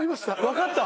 わかった？